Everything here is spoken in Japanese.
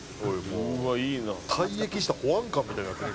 「退役した保安官みたいになってる」